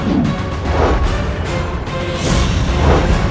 aku akan pergi ke istana yang lain